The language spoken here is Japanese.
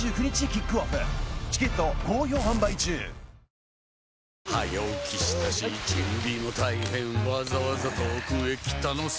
夏が香るアイスティー早起きしたし準備も大変わざわざ遠くへ来たのさ